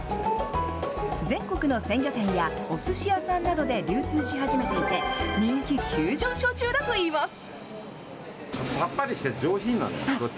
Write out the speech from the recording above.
全国の鮮魚店やおすし屋さんなどで流通し始めていて、人気急上昇中だといいます。